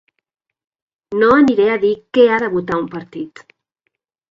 No aniré a dir què ha de votar un partit.